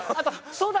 そうだ。